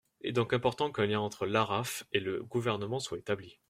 Il est donc important qu’un lien entre l’ARAF et le Gouvernement soit établi.